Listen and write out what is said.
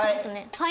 はい！